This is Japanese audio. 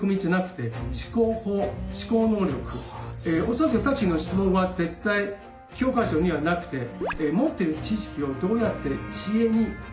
恐らくさっきの質問は絶対教科書にはなくて持ってる知識をどうやって知恵に変えるかが重要です。